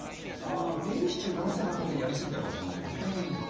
ビーフシチュー７８００円やり過ぎたかもしれないんで。